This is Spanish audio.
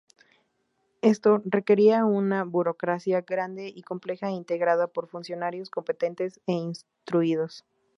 Esto requería una burocracia grande y compleja integrada por funcionarios competentes e instruidos.